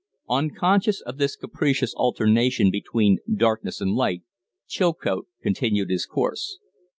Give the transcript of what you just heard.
Unconscious of this capricious alternation between darkness and light, Chilcote continued his course.